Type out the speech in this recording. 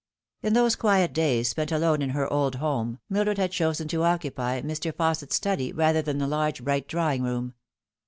In those quiet days spent alone in her old home, Mildred had chosen to occupy Mr. Fausset's study rather than the large bright drawing room.